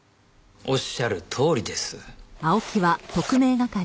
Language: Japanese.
おっしゃるとおりです。